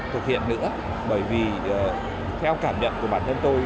thực hiện nữa bởi vì theo cảm nhận của bản thân tôi